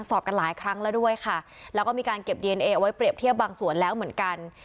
สอบกันหลายครั้งแล้วด้วยค่ะแล้วก็มีการเก็บดีเอนเอเอาไว้เปรียบเทียบบางส่วนแล้วเหมือนกัน